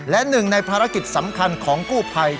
และหนึ่งในภารกิจสำคัญของกู้ภัย